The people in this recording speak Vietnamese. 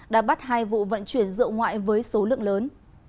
đã bắt hai vụ vận chuyển rượu ngoại với số lượng lớn